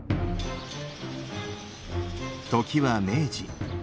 時は明治。